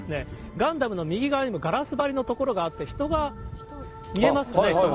ガンダムの右側にガラス張りの所があって、人が見えますかね。